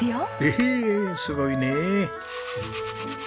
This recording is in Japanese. へえすごいねえ。